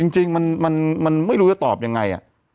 จริงมันมันมันไม่รู้จะตอบยังไงอ่ะ